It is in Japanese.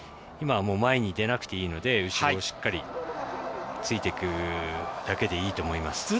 今、前に出なくていいので後ろをしっかりついていくだけでいいと思います。